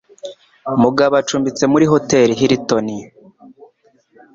Mugabo acumbitse muri Hoteli Hilton.